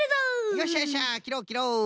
よっしゃよっしゃきろうきろう！